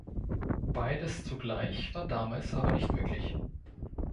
Beides zugleich war damals aber nicht möglich.